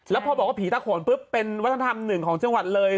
แล้วพอบอกว่าผีตะโขนปุ๊บเป็นวัฒนธรรมหนึ่งของจังหวัดเลย